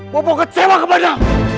bopo kecewa kepada